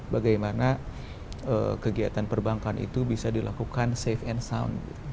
bagaimana kegiatan perbankan itu bisa dilakukan safe and sound